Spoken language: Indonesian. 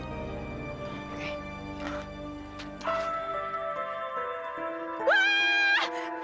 aduh udah udah udah